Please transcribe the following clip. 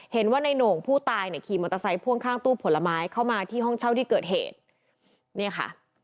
เห็นว่าในโหน่งผู้ตายเนี่ยขี่มอเตอร์ไซค์พ่วงข้างตู้ผลไม้เข้ามาที่ห้องเช่าที่เกิดเหตุเนี่ยค่ะ